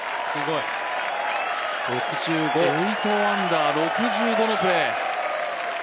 ８アンダー、６５のプレー。